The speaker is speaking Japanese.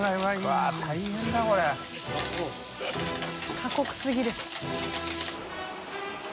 過酷すぎる。